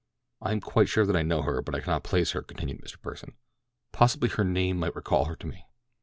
"I am quite sure that I know her, but I cannot place her," continued Mr. Pursen. "Possibly her name might recall her to me."